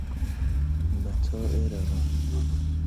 متاع روان